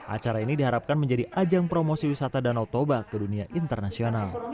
acara ini diharapkan menjadi ajang promosi wisata danau toba ke dunia internasional